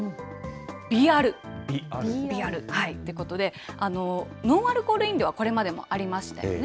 微アルということで、ノンアルコール飲料はこれまでもありましたよね。